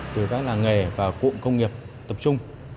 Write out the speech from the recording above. từ các làng nghề và cụm công nghiệp tập trung